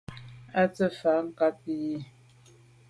À se’ mfà nkàb i yi.